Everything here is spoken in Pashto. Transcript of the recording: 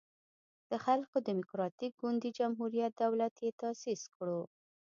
د خلق دیموکراتیک ګوند جمهوری دولت یی تاسیس کړو.